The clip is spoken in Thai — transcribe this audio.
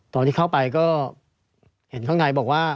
ตอนที่เข้าไปก็เห็นข้างในบอกว่า